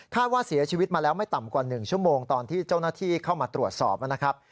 ว่าเสียชีวิตมาแล้วไม่ต่ำกว่า๑ชั่วโมงตอนที่เจ้าหน้าที่เข้ามาตรวจสอบนะครับ